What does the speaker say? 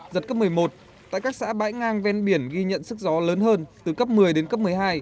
giật cấp một mươi một tại các xã bãi ngang ven biển ghi nhận sức gió lớn hơn từ cấp một mươi đến cấp một mươi hai